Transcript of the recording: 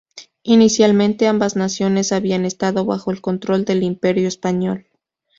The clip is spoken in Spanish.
Inicialmente, ambas naciones habían estado bajo el control del Imperio Español.